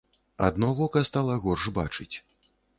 Адно вока стала горш бачыць.